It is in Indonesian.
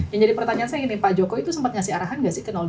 yang jadi pertanyaan saya gini pak jokowi itu sempat ngasih arahan gak sih ke dua